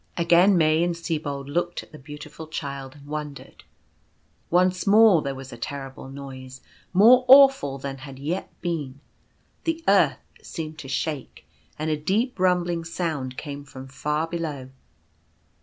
Again May and Sibold looked at the Beautiful Child and wondered. Once more there was a terrible noise, more awful than had yet been. The earth seemed to shake, and a deep rumbling sound came from far below.